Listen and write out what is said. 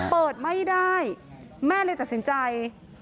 เปิดไม่ได้แม่เลยตัดสินใจ